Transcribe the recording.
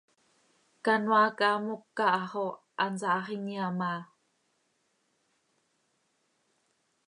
Canoaa quih haa moca ha xo hansaa hax inyaam áa.